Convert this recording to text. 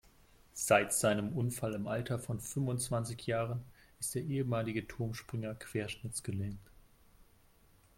Seit seinem Unfall im Alter von fünfundzwanzig Jahren ist der ehemalige Turmspringer querschnittsgelähmt.